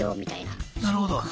なるほど。